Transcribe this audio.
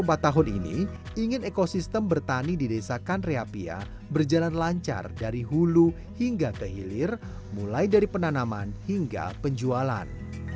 pria berusia tiga puluh empat tahun ini ingin ekosistem bertani di desa kanreapia berjalan lancar dari hulu hingga kehilir mulai dari penanaman hingga penjualan